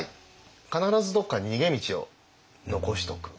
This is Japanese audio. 必ずどっかに逃げ道を残しておく。